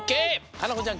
佳菜子ちゃん